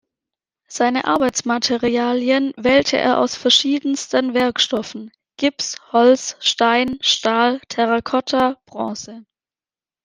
Seine Arbeitsmaterialien wählte er aus verschiedensten Werkstoffen: Gips, Holz, Stein, Stahl, Terracotta, Bronze.